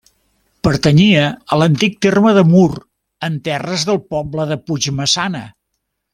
Pertanyia a l'antic terme de Mur, en terres del poble de Puigmaçana.